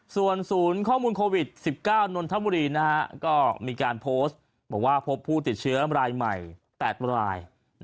ส่วนศูนย์ข้อมูลโควิด๑๙นนทบุรีก็มีการโพสต์บอกว่าพบผู้ติดเชื้อรายใหม่๘ราย